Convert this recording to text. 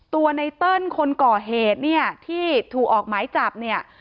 ไนเติ้ลคนก่อเหตุเนี่ยที่ถูกออกหมายจับเนี่ย